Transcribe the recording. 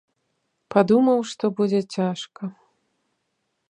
Падумаў, што будзе цяжка.